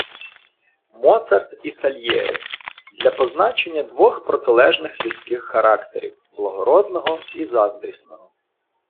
Моцарт і Сальєрі - для позначення двох протилежних людських характерів, благородного і заздрісного